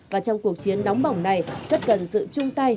và trong cuộc chiến nóng bỏng này rất cần sự chung tay